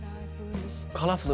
カラフル。